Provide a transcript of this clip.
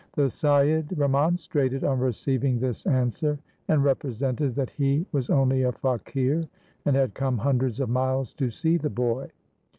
The Saiyid remonstrated on receiving this answer, and represented that he was only a faqir, and had come hundreds of miles to see the boy.